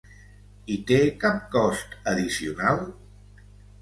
I te cap cost addicional?